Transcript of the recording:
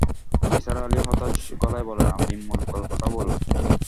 নিসার আলি হতাশ গলায় বলেন, আপনি মূল গল্পটা বলুন।